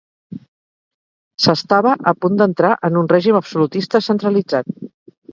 S'estava a punt d'entrar en un règim absolutista centralitzat.